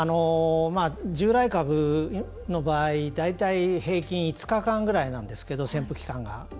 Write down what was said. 従来株の場合、大体平均５日間ぐらいなんですけど潜伏期間が。